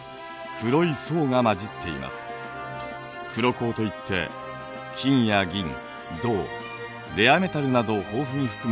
黒鉱といって金や銀銅レアメタルなどを豊富に含む鉱石です。